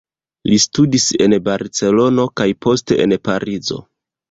Li studis en Barcelono kaj poste en Parizo.